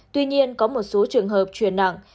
tuy nhiên có một số trường hợp chuyển nặng